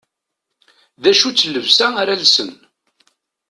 D acu-tt llebsa ara lsen.